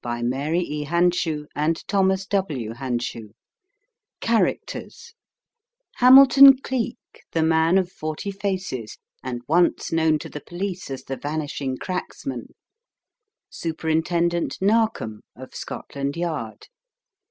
"A Tale Unfolded" 294 t CHARACTERS Hamilton Cleek, the Man of Forty Faces, and once known to the police as "The Vanishing Cracksman." Superintendent Narkom, of Scotland Yard.